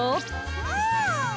うん！